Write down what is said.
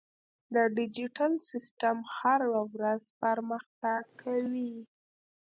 دا ډیجیټل سیستم هره ورځ پرمختګ کوي.